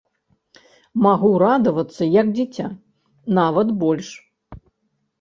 Магу радавацца як дзіця, нават больш!